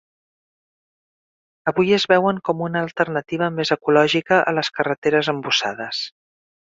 Avui es veuen com una alternativa més ecològica a les carreteres embussades.